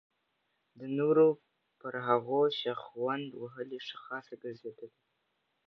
د نورو پر هغو شخوند وهل یې ښه خاصه ګرځېدلې.